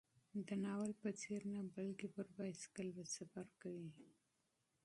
د ناول په څېر نه، بلکې پر بایسکل به سفر کوي.